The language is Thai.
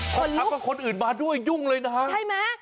ฆับทักมาคนอื่นมาด้วยใช่ไหม